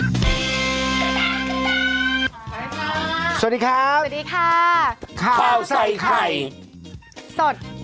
สวัสดีครับสวัสดีค่ะข้าวใส่ไข่สด